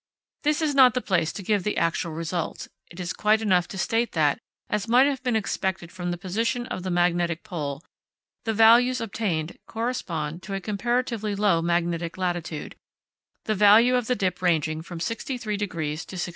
This is not the place to give the actual results; it is quite enough to state that, as might have been expected from the position of the magnetic pole, the values obtained correspond to a comparatively low magnetic latitude, the value of the dip ranging from 63° to 68°.